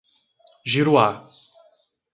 Giruá